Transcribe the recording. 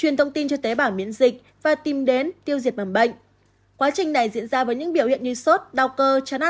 truyền thông tin cho tế bảo miễn dịch và tìm đến tiêu diệt bằng bệnh